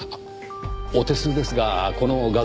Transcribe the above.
お手数ですがこの画像